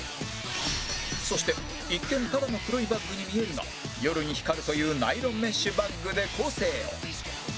そして一見ただの黒いバッグに見えるが夜に光るというナイロンメッシュバッグで個性を